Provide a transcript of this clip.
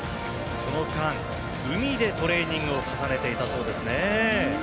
その間、海でトレーニングを重ねていたそうですね。